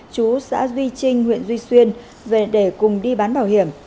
chú xã duy trinh huyện duy xuyên về để cùng đi bán bảo hiểm